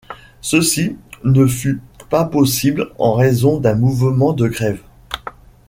Ceci ne fut pas possible, en raison d'un mouvement de grève.